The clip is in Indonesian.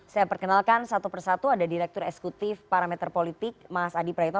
saya perkenalkan satu persatu ada direktur eksekutif parameter politik mas adi praetno